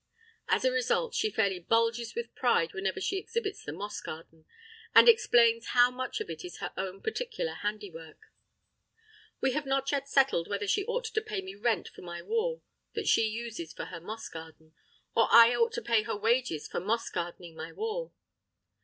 As a result, she fairly bulges with pride whenever she exhibits the moss garden, and explains how much of it is her own particular handiwork. We have not yet settled whether she ought to pay me rent for my wall that she uses for her moss garden, or I ought to pay her wages for moss gardening my wall.